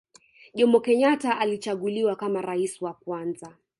Jomo Kenyatta alichaguliwa kama rais wa kwanza